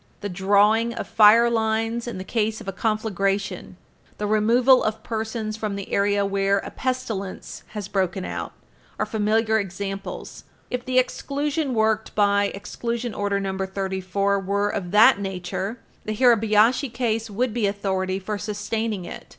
The drawing of fire lines in the case of a conflagration, the removal of persons from the area where a pestilence has broken out, are familiar examples. If the exclusion worked by Exclusion Order No. 34 were of that nature, the Hirabayashi case would be authority for sustaining it. Page 323 U.